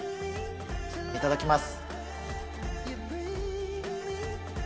いただきます。